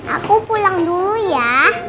aku pulang dulu ya